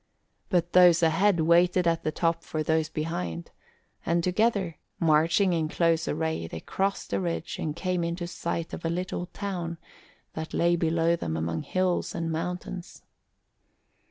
But those ahead waited at the top for those behind and together, marching in close array, they crossed a ridge and came into sight of a little town that lay below them among hills and mountains.